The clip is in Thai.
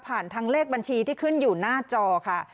ทางเลขบัญชีที่ขึ้นอยู่หน้าจอค่ะ